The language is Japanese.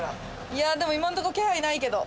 いやでも今んとこ気配ないけど。